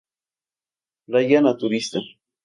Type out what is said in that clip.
Playa naturista.